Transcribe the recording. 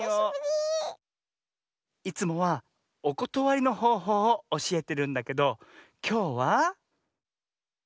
いつもはおことわりのほうほうをおしえてるんだけどきょうは。